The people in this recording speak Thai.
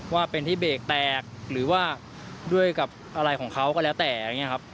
ว่าเป็นที่เบรกแตกหรือว่าด้วยกับอะไรของเขาก็แล้วแต่อย่างนี้ครับ